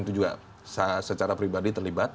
itu juga secara pribadi terlibat